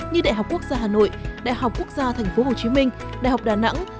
như đại học quốc gia hà nội đại học quốc gia tp hcm đại học đà nẵng